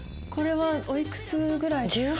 これはおいくつぐらい？